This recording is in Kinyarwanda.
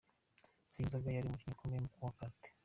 Sayinzoga yari umukinnyi ukomeye wa Karate.